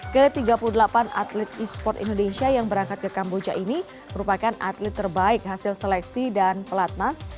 ke tiga puluh delapan atlet e sport indonesia yang berangkat ke kamboja ini merupakan atlet terbaik hasil seleksi dan pelatnas